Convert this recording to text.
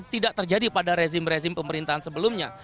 tidak terjadi pada rezim rezim pemerintahan sebelumnya